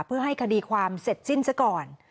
เพื่อให้คดีความเสร็จสิ้นซะก่อน